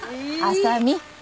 麻美。